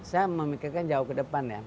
saya memikirkan jauh ke depan ya